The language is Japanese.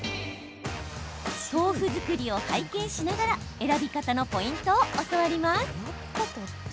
豆腐作りを拝見しながら選び方のポイントを教わります。